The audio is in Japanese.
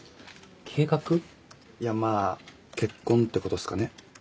いやまぁ結婚ってことですかね。